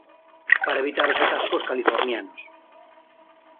Para evitar os atascos californianos.